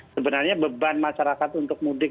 sebenarnya beban masyarakat untuk mudik